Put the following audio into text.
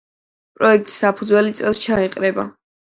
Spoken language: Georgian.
პროექტს საფუძველი წელს ჩაეყრება.